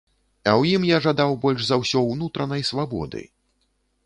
А ў ім я жадаў больш за ўсё унутранай свабоды.